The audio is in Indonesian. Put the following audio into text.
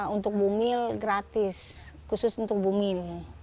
untuk bumil gratis khusus untuk bumil